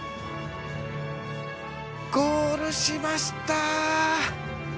ゴールしました！